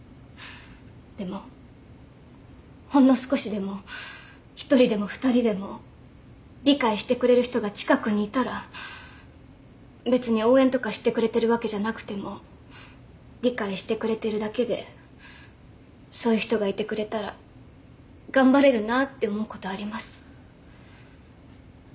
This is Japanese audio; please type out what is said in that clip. でもほんの少しでも１人でも２人でも理解してくれる人が近くにいたら別に応援とかしてくれてるわけじゃなくても理解してくれてるだけでそういう人がいてくれたら頑張れるなって思うことあります。